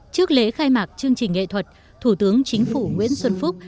trước lễ khai mạc chương trình nghệ thuật thủ tướng chính phủ nguyễn xuân phúc